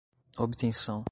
obtenção